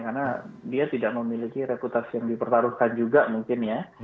karena dia tidak memiliki reputasi yang dipertaruhkan juga mungkin ya